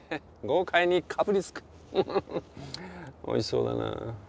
おいしそうだな。